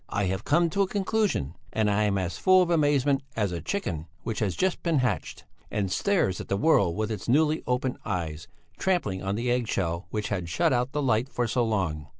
I have come to a conclusion, and I am as full of amazement as a chicken which has just been hatched, and stares at the world with its newly opened eyes, trampling on the egg shell which had shut out the light for so long.